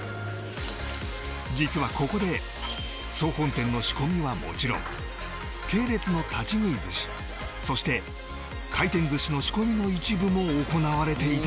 実はここで総本店の仕込みはもちろん系列の立喰鮨そして廻転鮨の仕込みの一部も行われていたのだ